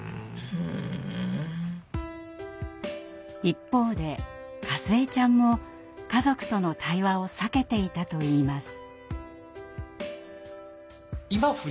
一方でかずえちゃんも家族との対話を避けていたといいます。